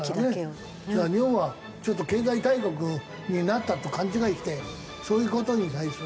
日本はちょっと経済大国になったと勘違いしてそういう事に対する。